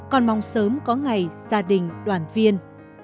con mong sớm có ngày gia đình đoàn viên